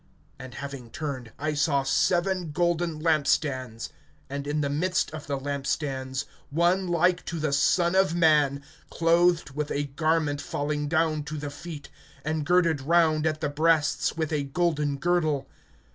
And having turned, I saw seven golden lamp stands; (13)and in the midst of the lamp stands one like to the Son of Man, clothed with a garment falling down to the feet, and girded round at the breasts with a golden girdle.